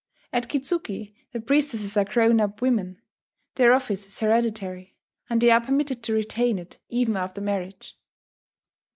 At Kitzuki the priestesses are grown up women: their office is hereditary; and they are permitted to retain it even after marriage.